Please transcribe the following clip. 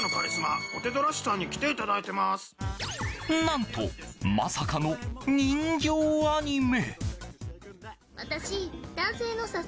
何と、まさかの人形アニメ。